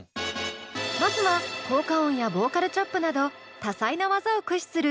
まずは効果音やボーカルチョップなど多彩な技を駆使する１６歳の「ツバメ」アレンジ！